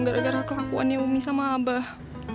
gara gara kelakuannya omni sama abah